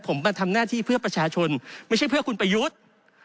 ผมมาทำหน้าที่เพื่อประชาชนไม่ใช่เพื่อคุณประยุทธ์